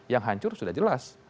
yang hancur sudah jelas